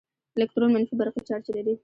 الکترون منفي برقي چارچ لري.